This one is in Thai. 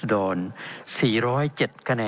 เป็นของสมาชิกสภาพภูมิแทนรัฐรนดร